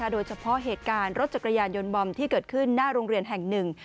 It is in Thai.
โดยเฉพาะเหตุการณ์รถจักรยานยนต์บอมที่เกิดขึ้นหน้าโรงเรียนแห่งหนึ่ง